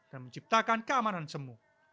dan menciptakan keamanan semua